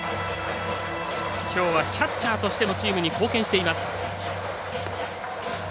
きょうはキャッチャーとしてもチームに貢献しています。